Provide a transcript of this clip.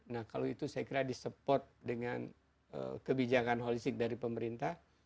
nah kalau itu saya kira di support dengan kebijakan holistik dari pemerintah